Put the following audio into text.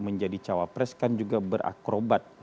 menjadi cawapres kan juga berakrobat